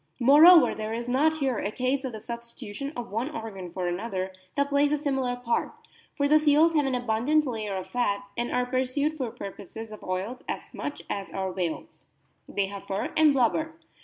Moreover, there is not here a case of the substitu tion of one organ for another that plays a similar part ; for the seals have an abundant layer of fat, and are pursued for purposes of oil as much as are whales. They have fur and blubber.